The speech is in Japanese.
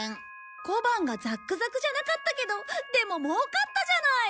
小判がザックザクじゃなかったけどでももうかったじゃない！